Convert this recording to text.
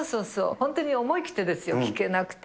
本当に思い切ってですよ、聞けなくて。